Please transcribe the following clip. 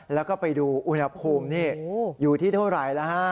แล้วก็ไปดูอุณหภูมินี่อยู่ที่เท่าไหร่แล้วฮะ